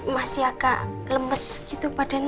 masih agak lemes gitu badannya